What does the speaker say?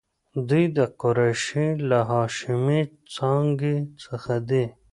دوی د قریشو له هاشمي څانګې څخه دي.